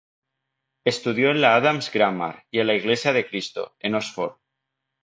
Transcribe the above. Estudió en la Adams' Grammar y en la Iglesia de Cristo, en Oxford.